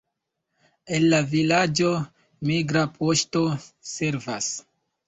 En la vilaĝo migra poŝto servas.